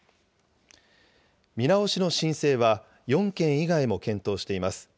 見直しの申請は４県以外も検討しています。